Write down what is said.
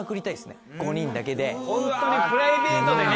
ホントにプライベートでね。